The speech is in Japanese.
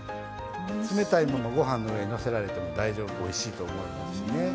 冷たいものご飯の上にのせられても大丈夫おいしいと思いますしね。